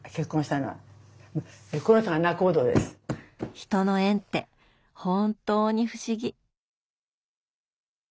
人の縁って本当に不思議。